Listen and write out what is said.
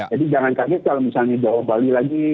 jadi jangan kaget kalau misalnya di bawah bali lagi